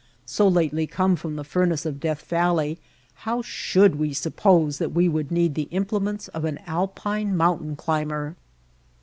So lately come from the furnace of Death Val ley, how should we suppose that we would need the implements of an Alpine mountain climber?